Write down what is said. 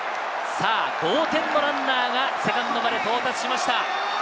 同点のランナーがセカンドまで到達しました。